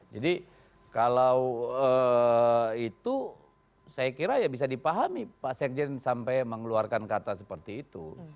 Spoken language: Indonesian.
jadi kalau itu saya kira ya bisa dipahami pak sekjen sampai mengeluarkan kata seperti itu